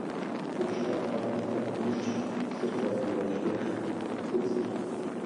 Къупщхьэ гъуанэхэм илъщ лъыр къэзыгъэщӏыж куцӏыр.